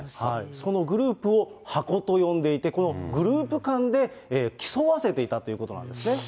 そのグループを箱と呼んでいて、このグループ間で競わせていたということなんですね。